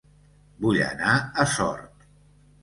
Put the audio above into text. Vull anar a Sort